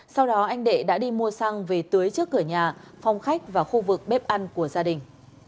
sau đó anh đệ đã đi mua xăng về tưới trước cửa nhà phòng khách và khu vực bếp ăn của gia đình